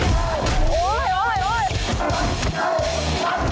ไม่ต้อง